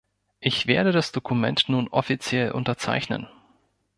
Ich werde das Dokument nun offiziell unterzeichnen.